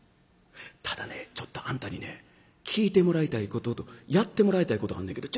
ただねちょっとあんたにね聞いてもらいたいこととやってもらいたいことあんねんけど。